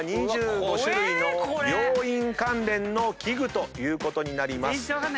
２５種類の病院関連の器具ということになります。